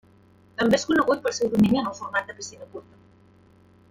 També és conegut pel seu domini en el format de piscina curta.